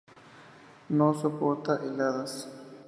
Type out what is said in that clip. No soporta heladas.